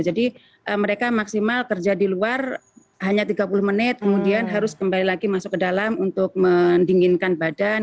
jadi mereka maksimal kerja di luar hanya tiga puluh menit kemudian harus kembali lagi masuk ke dalam untuk mendinginkan badan